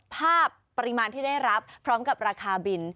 ภาพปริมาณที่ได้รับพร้อมกับราคาบิน